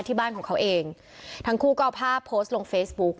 ที่บ้านของเขาเองทั้งคู่ก็เอาภาพโพสต์ลงเฟซบุ๊ก